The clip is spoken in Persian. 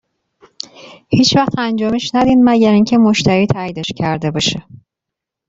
هیچ وقت انجامش ندین مگر اینکه مشتری تاییدش کرده باشه.